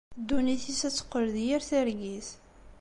Ddunit-is ad teqqel d yir targit.